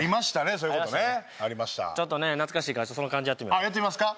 そういうことねちょっとね懐かしいからその感じやってみようやってみますか？